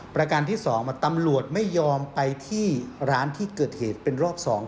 ประการที่๒ตำรวจไม่ยอมไปที่ร้านที่เกิดเหตุเป็นรอบ๒